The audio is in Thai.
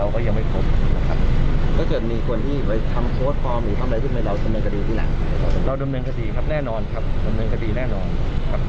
ก่อเหตุในวันนั้นนะครับ